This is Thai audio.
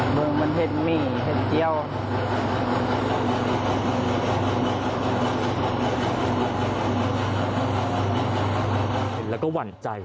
เห็นแล้วก็หวั่นใจ